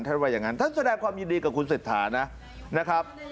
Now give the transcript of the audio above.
ท่านแสดงความยินดีกับคุณศิษย์ฐานะนะครับ